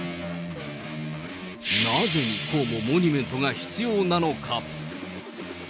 なぜ２個もモニュメントが必要なのか。